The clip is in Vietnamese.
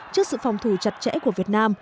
trước sự phòng thủ chặt chẽ của việt nam